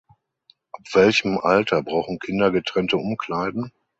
Ab welchem Alter brauchen Kinder getrennte Umkleiden?